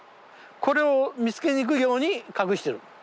これを見つけにくいように隠してる。